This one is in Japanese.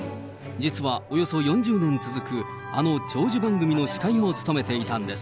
実はおよそ４０年続く、あの長寿番組の司会も務めていたんです。